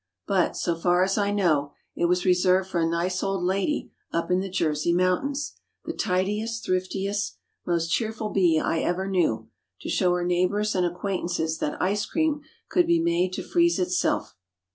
But, so far as I know, it was reserved for a nice old lady up in the "Jersey" mountains—the tidiest, thriftiest, most cheerful bee I ever knew—to show her neighbors and acquaintances that ice cream could be made to freeze itself.